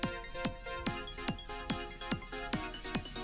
aku bisa jalan